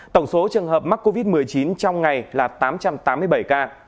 tổng số trường hợp mắc covid một mươi chín trong ngày là tám trăm tám mươi bảy ca